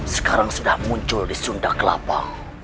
sekarang sudah muncul di sunda kelapa